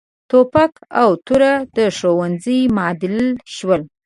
ټوپک او توره د ښوونځیو معادل شول.